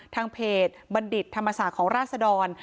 ทางเพจบัณฑิตธรรมศาสตร์ของราศดร